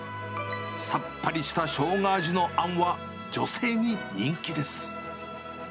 さっぱりしたショウガ味のあんは、女性に人気です。